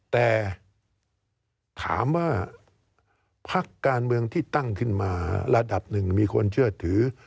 แต่ถามว่าพักการเมืองที่ตั้งขึ้นมาระดับหนึ่งมีคนเชื่อถือ